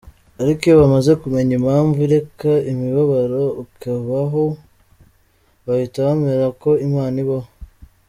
Ariko iyo bamaze kumenya impamvu ireka imibabaro ikabaho, bahita bemera ko Imana ibaho.